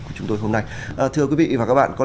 của chúng tôi hôm nay thưa quý vị và các bạn có